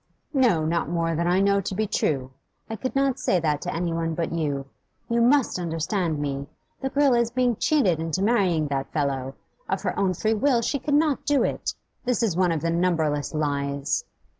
'No, not more than I know to be true. I could not say that to anyone but you; you must understand me. The girl is being cheated into marrying that fellow. Of her own free will she could not do it. This is one of numberless lies.